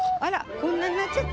こんなになっちゃった。